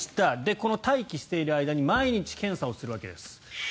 この待機している間に毎日ＰＣＲ検査をするわけです。